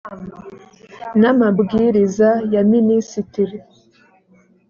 n amabwiriza ya minisitiri